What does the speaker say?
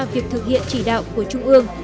việc thực hiện chỉ đạo của trung ương